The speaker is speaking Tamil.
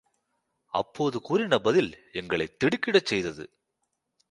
அப்போது கூறின பதில் எங்களைத் திடுக்கிடச் செய்தது.